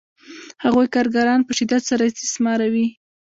هغوی کارګران په شدت سره استثماروي